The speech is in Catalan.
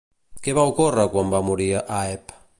Què va ocórrer quan va morir Aeb?